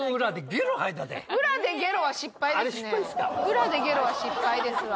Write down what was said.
裏でゲロは失敗ですわ。